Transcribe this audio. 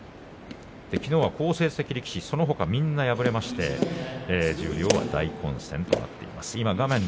きのうは好成績力士そのほかみんな敗れまして十両は大混戦となっています。